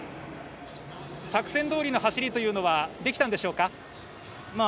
作戦どおりの走りというのはできたんでしょうか。